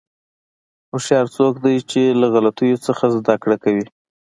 هوښیار څوک دی چې له غلطیو نه زدهکړه کوي.